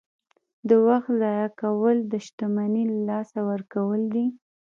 • د وخت ضایع کول د شتمنۍ له لاسه ورکول دي.